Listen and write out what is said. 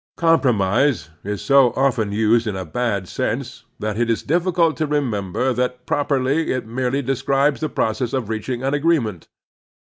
"Compromise" is so often used in a bad sense that it is difficult to remember that properly it merely describes the process of reaching an agreement.